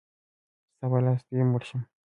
ستا په لاس دی مړ شم.